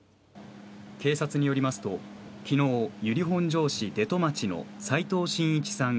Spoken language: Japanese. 警察によりますときのう、由利本荘市出戸町の齋藤真一さん